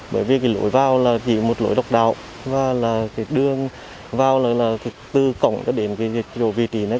bởi vì cái lối vào là chỉ một lối độc đạo và là cái đường vào là từ cổng cho đến cái độ vị trí này